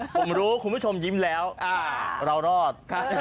ผมรู้คุณผู้ชมยิ้มแล้วเรารอด